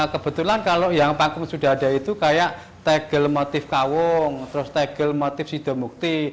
kebetulan kalau yang panggung sudah ada itu kayak tegel motif kawung terus tegel motif sidomukti